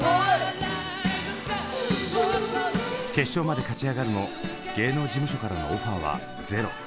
決勝まで勝ち上がるも芸能事務所からのオファーはゼロ。